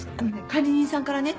管理人さんからね